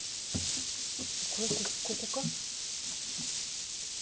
これここか？